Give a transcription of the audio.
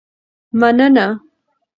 مننه.